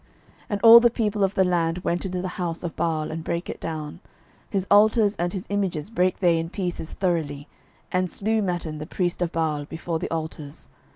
12:011:018 And all the people of the land went into the house of Baal, and brake it down; his altars and his images brake they in pieces thoroughly, and slew Mattan the priest of Baal before the altars.